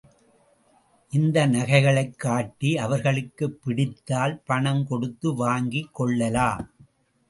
இந்த நகைகளைக் காட்டி அவர்களுக்குப் பிடித்தால் பணம் கொடுத்து வாங்கி கொள்ளலாம்.